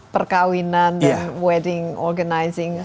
perkawinan dan wedding organizing